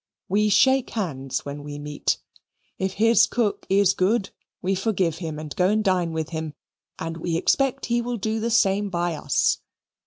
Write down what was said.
We shake hands when we meet. If his cook is good we forgive him and go and dine with him, and we expect he will do the same by us.